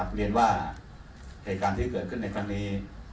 เรียนว่าเหตุการณ์ที่เกิดขึ้นในครั้งนี้